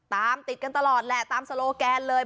ตามติดกันตลอดแหละตามโซโลแกนเลย